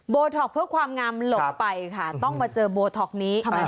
ท็อกเพื่อความงามหลบไปค่ะต้องมาเจอโบท็อกนี้